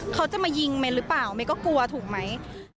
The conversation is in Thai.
เขาจะมายิงเมนหรือเปล่าเมย์ก็กลัวถูกไหม